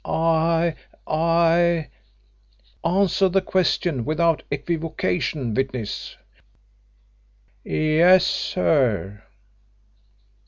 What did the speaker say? "I I " "Answer the question without equivocation, witness." "Y es, sir."